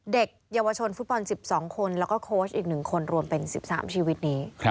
เด็กเยาวชนฟุตบอล๑๒คนแล้วก็โค้ชอีก๑คนรวมเป็น๑๓ชีวิตนี้